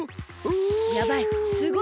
やばい。